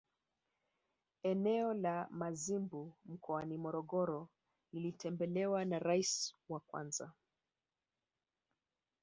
Eneo la Mazimbu mkoani Morogoro lilitembelewa na Rais wa kwanza